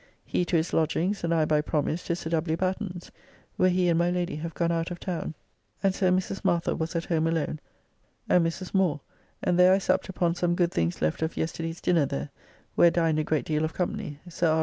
He to his lodgings and I by promise to Sir W. Batten's, where he and my lady have gone out of town, and so Mrs. Martha was at home alone, and Mrs. Moore and there I supped upon some good things left of yesterday's dinner there, where dined a great deal of company Sir R.